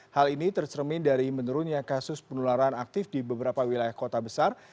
hal ini tercermin dari menurunnya kasus penularan aktif di beberapa wilayah kota besar